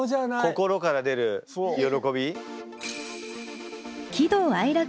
心から出る喜び。